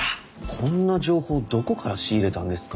こんな情報どこから仕入れたんですか？